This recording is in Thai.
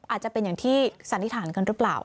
อาจจะเป็นอย่างที่สัตวิธานเกินต่อไปรึป่าว